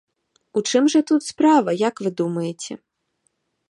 У чым жа тут справа, як вы думаеце?